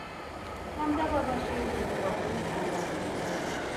د حمزه بابا شعر مې په غوږو کښې انګازې کولې.